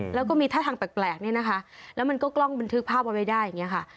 แล้วก็มีท่าทางแปลกเนี่ยนะคะแล้วมันก็กล้องบันทึกภาพเอาไว้ได้อย่างนี้ค่ะ